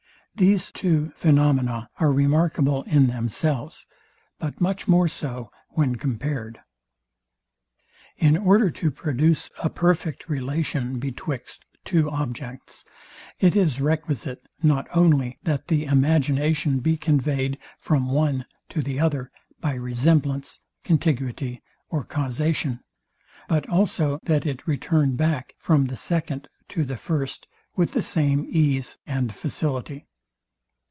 These two phaenomena are remarkable in themselves, but much more so when compared. In order to produce a perfect relation betwixt two objects, it is requisite, not only that the imagination be conveyed from one to the other by resemblance, contiguity or causation, but also that it return back from the second to the first with the same ease and facility.